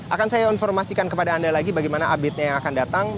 akan saya informasikan kepada anda lagi bagaimana update nya yang akan datang